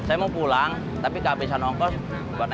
emput ada apa kesini